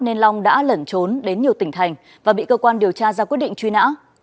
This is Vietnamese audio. nên long đã lẩn trốn đến nhiều tỉnh thành và bị cơ quan điều tra ra quyết định truy nã